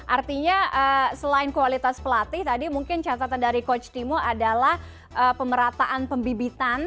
artinya selain kualitas pelatih tadi mungkin catatan dari coach timo adalah pemerataan pembibitan